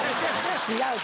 違う！